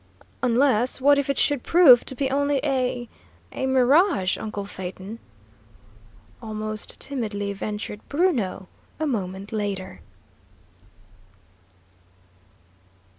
"Unless what if it should prove to be only a a mirage, uncle Phaeton?" almost timidly ventured Bruno, a moment later.